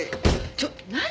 ちょっ何？